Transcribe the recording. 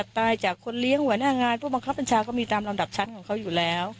บริษัทตายจากคนเลี้ยงหัวหน้างานบริษัทต่างก็มีตามลำดับชั้นของเขาอยู่แล้ว